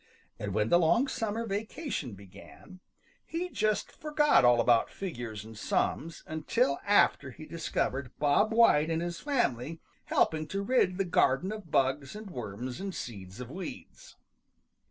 And when the long summer vacation began, he just forgot all about figures and sums until after he discovered Bob White and his family helping to rid the garden of bugs and worms and seeds of weeds.